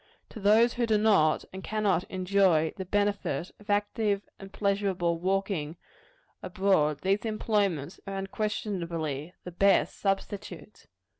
To those who do not and cannot enjoy the benefit of active and pleasurable walking abroad, these employments are unquestionably the best substitutes.